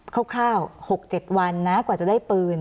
คร่าวคร่าวหกเจ็ดวันนะกว่าจะได้ปืน